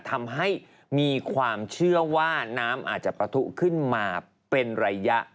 ทำให้มีความเชื่อว่าน้ำอาจจะประทุขึ้นมาเป็นระยะ